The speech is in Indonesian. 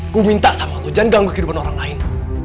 gue minta sama lo jangan ganggu kehidupan orang lain